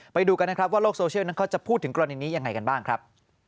ไปดูกันนะครับว่าโลกโซเชียลนั้นเขาจะพูดถึงกรณีนี้ยังไงกันบ้างครับ